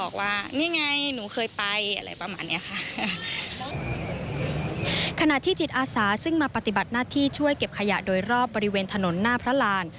ขณะที่จิตอาสาซึ่งมาปฏิบัติหน้าที่ช่วยเก็บขยะโดยรอบบริเวณถนนหน้าพระราน